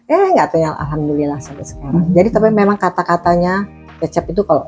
eh gak ternyata alhamdulillah sampai sekarang jadi tapi memang kata katanya cecep itu kalau